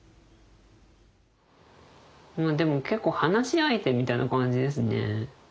まあでも結構話し相手みたいな感じですね。